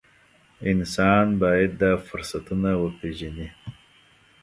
انسان باید دا فرصتونه وپېژني.